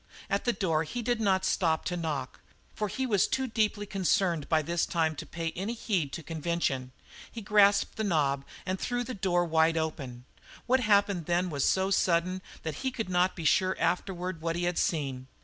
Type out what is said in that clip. At the door he did not stop to knock, for he was too deeply concerned by this time to pay any heed to convention. He grasped the knob and threw the door wide open. What happened then was so sudden that he could not be sure afterward what he had seen.